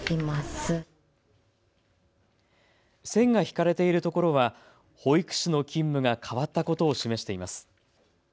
線が引かれているところは保育士の勤務が変わったことを示しています。